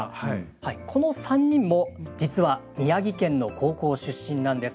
この３人も実は宮城県の高校出身です。